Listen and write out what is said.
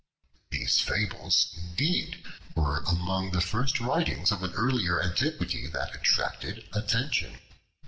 These fables, indeed, were among the first writings of an earlier antiquity that attracted attention.